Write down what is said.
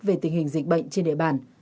về tình hình dịch bệnh trên địa bàn